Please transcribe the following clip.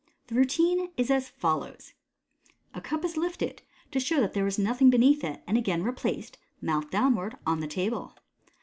The roatine is as follows :— Fig. 118. A cup is lifted, to show that there is nothing beneath it, and again replaced, mouth downwards, on the table.